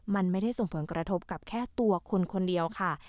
มันไม่ได้ส่งผลกระทบกับแค่ตัวคนคนเดียวค่ะ